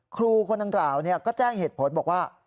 ครูคนดังกล่าวก็แจ้งเหตุผลบอกว่า